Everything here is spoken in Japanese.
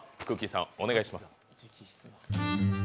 さん、お願いします。